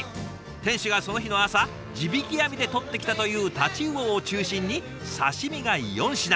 店主がその日の朝地引き網でとってきたという太刀魚を中心に刺身が４品。